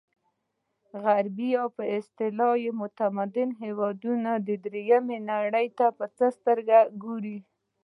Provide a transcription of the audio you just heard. غربي یا په اصطلاح متمدن هېوادونه درېیمې نړۍ ته په څه سترګه ګوري.